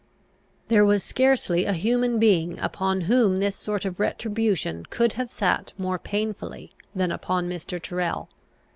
There was scarcely a human being upon whom this sort of retribution could have sat more painfully than upon Mr. Tyrrel.